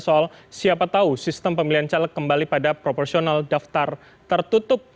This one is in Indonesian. soal siapa tahu sistem pemilihan caleg kembali pada proporsional daftar tertutup